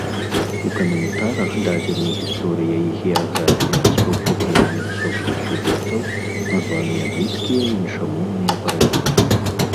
У каментарах дадзены гісторыя і геаграфія распаўсюджвання асобных сюжэтаў, названыя блізкія іншамоўныя паралелі.